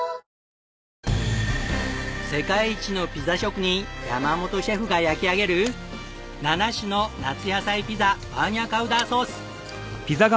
世界一のピザ職人山本シェフが焼き上げる７種の夏野菜ピザバーニャカウダソース。